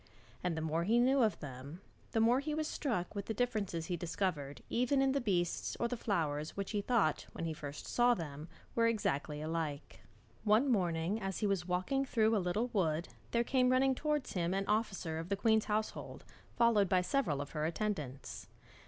And the more he knew of them, the more he was struck with the differences he discovered even in the beasts or flowers which he thought when he first saw them were exactly alike. One morning as he was walking through a little wood there came running towards him an officer of the queen's household, followed by several of her attendants.